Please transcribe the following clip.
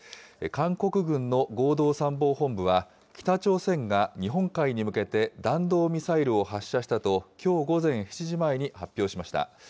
韓国軍の合同参謀本部は、北朝鮮が日本海に向けて弾道ミサイルを発射したと、きょう午前７時前に発表しました。